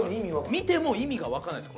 見ても意味が分かんないす